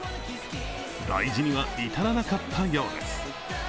大事には至らなかったようです。